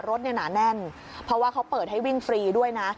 รถเนี่ยหนาแน่นเพราะว่าเขาเปิดให้วิ่งฟรีด้วยนะ